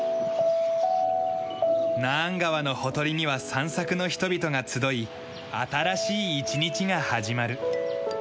ナーン川のほとりには散策の人々が集い新しい一日が始まる。